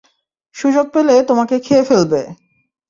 সুযোগ পেলে তোমাকে খেয়ে ফেলবে!